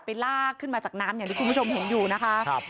ลากขึ้นมาจากน้ำอย่างที่คุณผู้ชมเห็นอยู่นะคะ